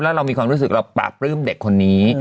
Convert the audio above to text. แล้วเรามีความรู้สึกเราปราบปลื้มเด็กคนนี้